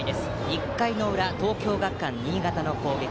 １回の裏、東京学館新潟の攻撃。